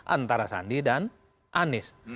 antara sandi dan anies